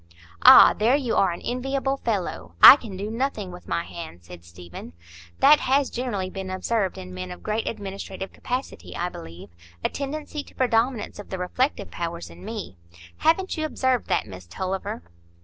"Ah, there you are an enviable fellow. I can do nothing with my hands," said Stephen. "That has generally been observed in men of great administrative capacity, I believe,—a tendency to predominance of the reflective powers in me! Haven't you observed that, Miss Tulliver?"